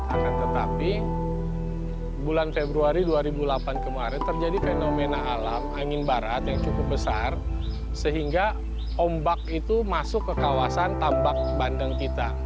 akan tetapi bulan februari dua ribu delapan kemarin terjadi fenomena alam angin barat yang cukup besar sehingga ombak itu masuk ke kawasan tambak bandeng kita